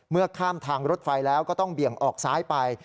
ข้ามทางรถไฟแล้วก็ต้องเบี่ยงออกซ้ายไป